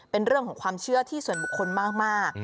เป็นเรื่องของความเชื่อที่ส่วนบุคคลมาก